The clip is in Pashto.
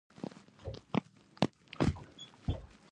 مخکې مو وویل چې له سل میلیونو پانګې وېش څنګه دی